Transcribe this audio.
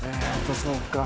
そうか。